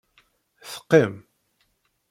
Teqqim.